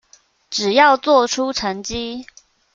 只要做出成績